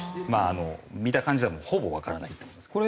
見た感じじゃほぼわからないと思いますけどね。